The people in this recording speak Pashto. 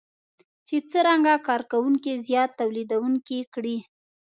چې څرنګه کار کوونکي زیات توليدونکي کړي.